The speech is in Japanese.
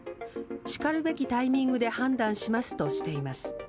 しかるべきタイミングで判断しますとしています。